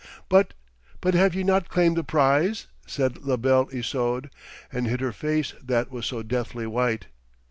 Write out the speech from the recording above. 'But but have ye not claimed the prize?' said La Belle Isoude, and hid her face that was so deathly white.